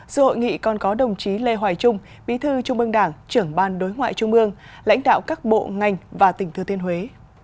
dự hội nghị còn có đồng chí lê hoài trung bí thư trung ương đảng trưởng ban đối ngoại trung ương lãnh đạo các bộ ngành và tỉnh thừa thiên huế